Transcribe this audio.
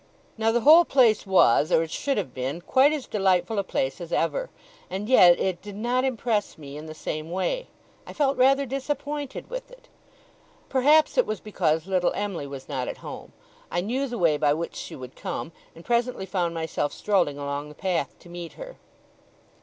Now, the whole place was, or it should have been, quite as delightful a place as ever; and yet it did not impress me in the same way. I felt rather disappointed with it. Perhaps it was because little Em'ly was not at home. I knew the way by which she would come, and presently found myself strolling along the path to meet her.